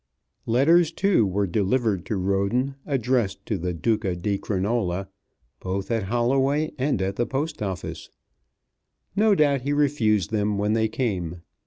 Letters, too, were delivered to Roden, addressed to the Duca di Crinola, both at Holloway and at the Post Office. No doubt he refused them when they came.